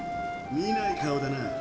見ない顔だな。